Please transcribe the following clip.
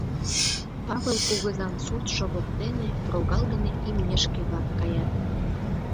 Павыл кугызан суртшо воктене прогал дене имнешке-влак каят.